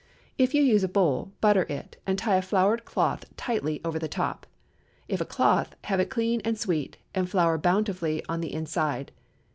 If you use a bowl, butter it, and tie a floured cloth tightly over the top. If a cloth, have it clean and sweet, and flour bountifully on the inside.